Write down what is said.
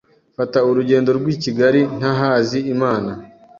mfata urugendo rw’I Kigali ntahazi Imana